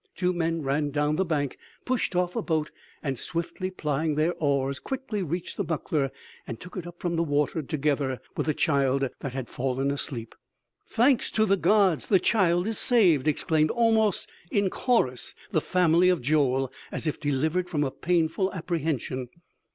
"Two men ran down the bank, pushed off a boat, and swiftly plying their oars, quickly reached the buckler, and took it up from the water together with the child that had fallen asleep " "Thanks to the gods! The child is saved!" exclaimed almost in chorus the family of Joel, as if delivered from a painful apprehension.